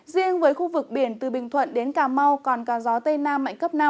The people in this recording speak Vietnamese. riêng với khu vực biển từ bình thuận đến cà mau còn có gió tây nam mạnh cấp năm